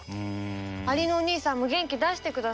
アリのお兄さんも元気出してください。